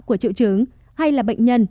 của triệu chứng hay là bệnh nhân